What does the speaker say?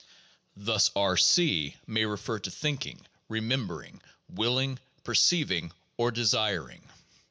Thus R° may refer to thinking, remembering, willing, perceiving, or desiring.